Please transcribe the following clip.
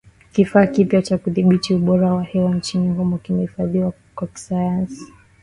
Kifaa kipya cha kudhibiti ubora wa hewa nchini humo kimefadhiliwa kwa kiasi.